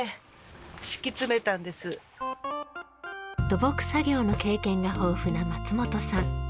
土木作業の経験が豊富な松本さん。